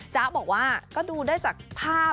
จ๊ะบอกว่าก็ดูได้จากภาพ